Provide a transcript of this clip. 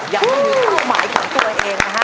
ยังไม่อยู่เข้าหมายของตัวเองนะฮะ